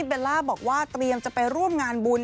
เบลล่าบอกว่าเตรียมจะไปร่วมงานบุญ